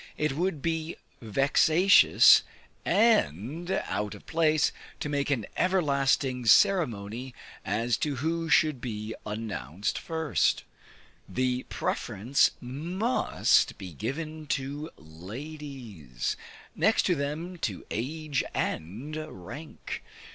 It would be vexatious and out of place to make an everlasting ceremony as to who should be announced first; the preference must be given to ladies; next to them, to age and rank.